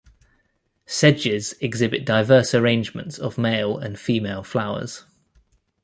Sedges exhibit diverse arrangements of male and female flowers.